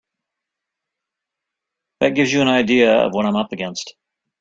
That gives you an idea of what I'm up against.